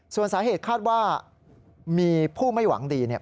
ส่วนสาเหตุคาดว่ามีผู้ไม่หวังดีเนี่ย